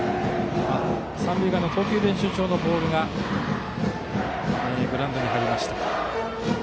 三塁側の投球練習場のボールがグラウンドに入りました。